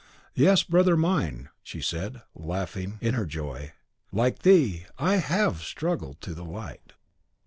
"Yes, brother mine!" she said, laughing in her joy, "like thee, I HAVE struggled to the light!"